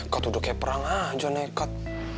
kau tuduh kayak perang aja nekat